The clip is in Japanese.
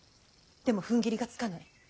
でもふんぎりがつかない。